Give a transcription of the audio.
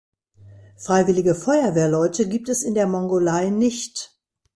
Freiwillige Feuerwehrleute gibt es in der Mongolei nicht.